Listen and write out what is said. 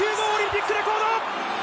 オリンピックレコード！